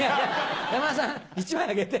山田さん１枚あげて。